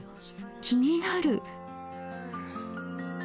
気になる。